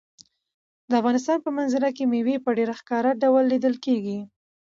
د افغانستان په منظره کې مېوې په ډېر ښکاره ډول لیدل کېږي.